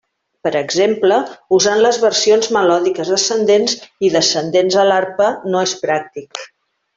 Per exemple, usant les versions melòdiques ascendents i descendents a l'arpa no és pràctic.